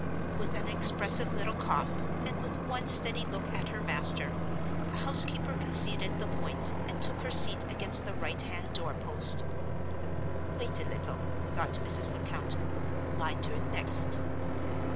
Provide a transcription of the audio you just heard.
With an expressive little cough, and with one steady look at her master, the housekeeper conceded the point, and took her seat against the right hand door post. "Wait a little," thought Mrs. Lecount; "my turn next!"